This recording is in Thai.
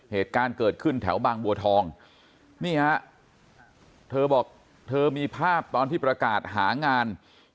เหตุการณ์เกิดขึ้นแถวบางบัวทองนี่ฮะเธอบอกเธอมีภาพตอนที่ประกาศหางาน